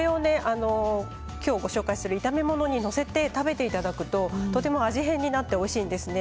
今日ご紹介する炒め物に載せて食べていただくと、とても味変になっておいしいですね。